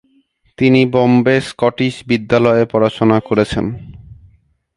তিনি বোম্বে স্কটিশ বিদ্যালয়ে পড়াশোনা করেছেন।